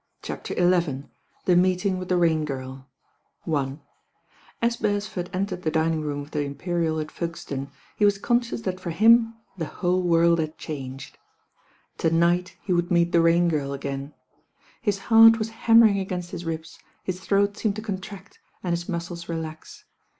CHAPTER XI THE MEETING WITH THE RAIN GIRL u As Beresford entered the dining room of the Imperial at Folkestone, he was conscious that for him the whole world had changed. To night he would meet the Rain Girl again. Hit heart was hanmiering against his ribs, his throat seemed to contract and his muscles relax.